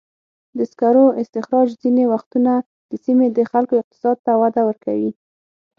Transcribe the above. د سکرو استخراج ځینې وختونه د سیمې د خلکو اقتصاد ته وده ورکوي.